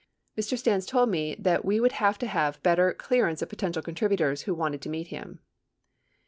Mr. Stans told me that we would have to have better clearance of potential contributors who wanted to meet him.